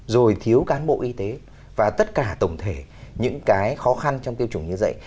rồi thiếu cán bộ y tế và tất cả tổng thể những cái khó khăn trong tiêm chủng như vậy